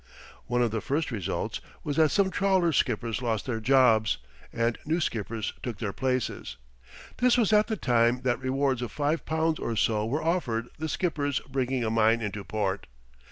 One of the first results was that some trawler skippers lost their jobs, and new skippers took their places. This was at the time that rewards of five pounds or so were offered the skippers bringing a mine into port.